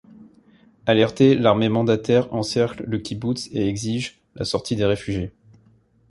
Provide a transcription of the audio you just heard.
Alertée, l'armée mandataire encercle le kibboutz et exige la sortie des réfugiés.